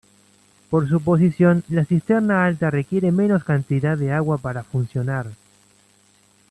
Por su posición, la cisterna alta requiere menos cantidad de agua para funcionar.